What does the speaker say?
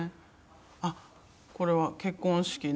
あっこれは結婚式の。